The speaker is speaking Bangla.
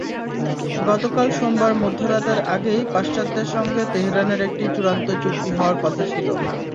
গতকাল সোমবার মধ্যরাতের আগেই পাশ্চাত্যের সঙ্গে তেহরানের একটি চূড়ান্ত চুক্তি হওয়ার কথা ছিল।